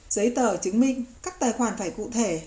giấy tờ chứng minh các tài khoản phải cụ thể